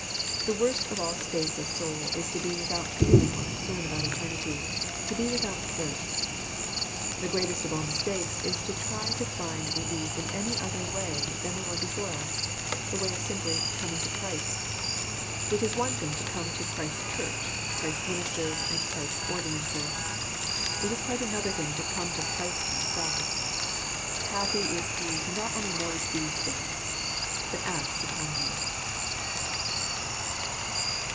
The worst of all states of soul is to be without feeling or concern about eternity, — to be without " thirst." The greatest of all mistakes is to try to find re lief in any other way than the one before us, — the way of Aimpl^ ^^ coming to Christ.'' It is one thing to come to JOHN, CHAP. vn. 43 Christ's Church, Christ's ministers, and Christ's ordinan ces. It is quite another thing to come to Christ Himself. Happy. is he who not only knows these things, but acts upon them